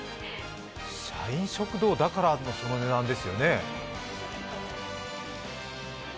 社員食堂だからその値段ですよね。